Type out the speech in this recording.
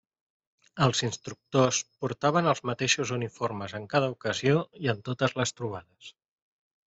Els instructors portaven els mateixos uniformes en cada ocasió i en totes les trobades.